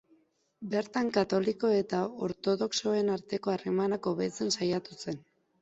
Bertan katoliko eta ortodoxoen arteko harremanak hobetzen saiatu zen.